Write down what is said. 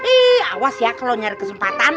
ih awas ya kalau nyari kesempatan